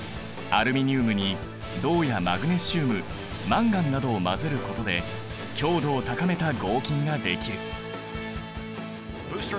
アルミニウムに銅やマグネシウムマンガンなどを混ぜることで強度を高めた合金ができる。